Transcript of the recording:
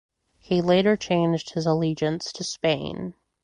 He later changed his allegiance to Spain.